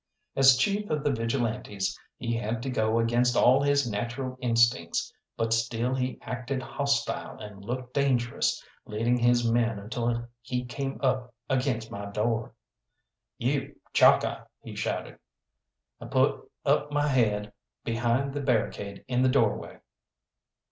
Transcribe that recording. As chief of the Vigilantes he had to go against all his natural instincts, but still he acted hostile and looked dangerous, leading his men until he came up against my door. "You, Chalkeye!" he shouted. I put up my head behind the barricade in the doorway.